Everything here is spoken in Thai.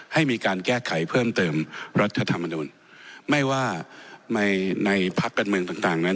ให้มีการแก้ไขเพิ่มเติมรัฐธรรมนุนไม่ว่าในในพักการเมืองต่างต่างนั้น